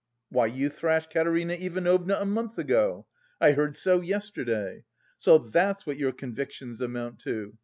"Why, you thrashed Katerina Ivanovna a month ago. I heard so yesterday... so that's what your convictions amount to...